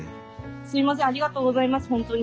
すいませんありがとうございますほんとに。